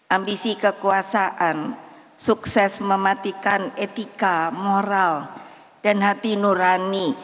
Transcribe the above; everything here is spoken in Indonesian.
ambisi kekuasaan sukses mematikan etika moral dan hati nurani